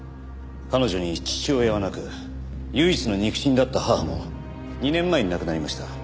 彼女に父親はなく唯一の肉親だった母も２年前に亡くなりました。